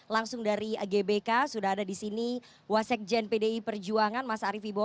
langsung dari gbk sudah ada di sini wasekjen pdi perjuangan mas arief ibo